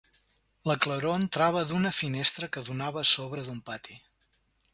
La claror, entrava d'una finestra que donava a sobre d'un pati